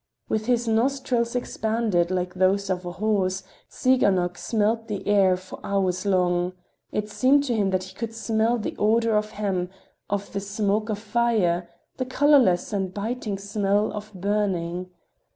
With his nostrils expanded, like those of a horse, Tsiganok smelt the air for hours long—it seemed to him that he could smell the odor of hemp, of the smoke of fire—the colorless and biting smell of burning.